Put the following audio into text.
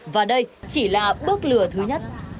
và đây chỉ là bước lừa thứ nhất